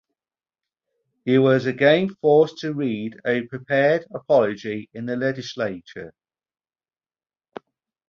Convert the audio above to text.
He was again forced to read a prepared apology in the legislature.